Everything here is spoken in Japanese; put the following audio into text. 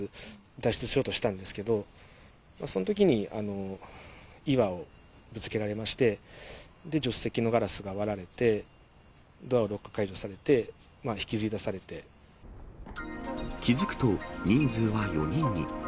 脱出しようとしたんですけど、そのときに岩をぶつけられまして、助手席のガラスが割られて、ドアをロック解除されて、引きず気付くと、人数は４人に。